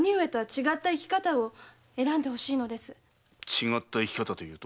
違う生き方というと？